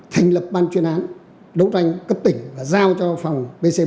thành lập ban chuyên án đấu tranh cấp tỉnh và giao cho phòng bc bốn mươi năm